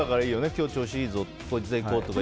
今日、調子いいこいつでいこうとか。